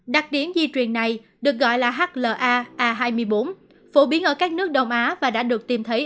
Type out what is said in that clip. đặc điểm di truyền này được gọi là hla a hai mươi bốn phổ biến ở các nước đông á và đã được tìm thấy